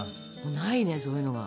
ないねそういうのが。